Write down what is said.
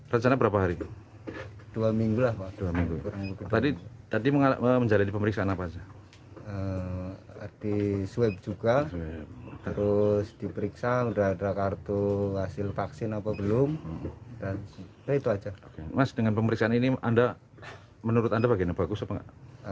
mas dengan pemeriksaan ini menurut anda bagaimana bagus apa enggak